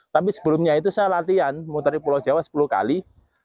tapi sebelumnya itu saya latihan muter di pulau jawa sepuluh kali